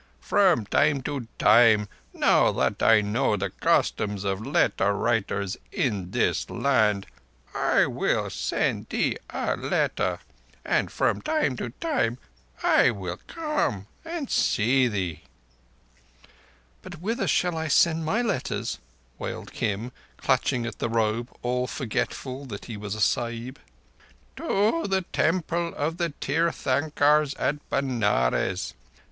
From time to time, now that I know the customs of letter writers in this land, I will send thee a letter, and from time to time I will come and see thee." "But whither shall I send my letters?" wailed Kim, clutching at the robe, all forgetful that he was a Sahib. "To the Temple of the Tirthankars at Benares.